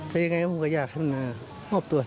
แต่ยังไงผมก็อยากให้มันมามอบตัว